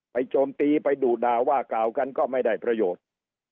โจมตีไปดุด่าว่ากล่าวกันก็ไม่ได้ประโยชน์